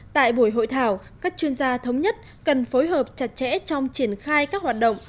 tại buổi hội thảo các chuyên gia thống nhất cần phối hợp chặt chẽ trong triển khai các hoạt động